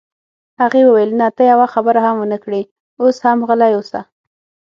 هغې وویل: نه، ته یوه خبره هم ونه کړې، اوس هم غلی اوسه.